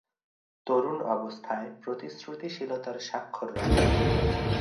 তরুণ অবস্থায় প্রতিশ্রুতিশীলতার স্বাক্ষর রাখেন।